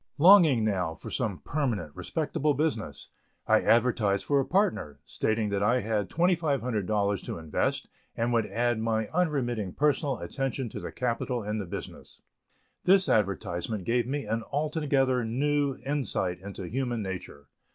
Longing now for some permanent respectable business, I advertised for a partner, stating that I had $2,500 to invest and would add my unremitting personal attention to the capital and the business. This advertisement gave me an altogether new insight into human nature.